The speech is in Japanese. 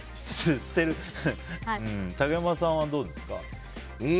竹山さんはどうですか？